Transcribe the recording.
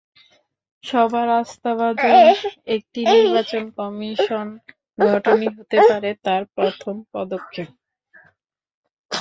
সবার আস্থাভাজন একটি নির্বাচন কমিশন গঠনই হতে পারে তার প্রথম পদক্ষেপ।